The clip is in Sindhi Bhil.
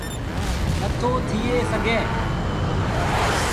نٿو ٿئي سگھي۔